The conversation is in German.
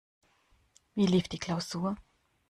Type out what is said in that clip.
Wie lief die Klausur?